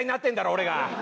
俺が。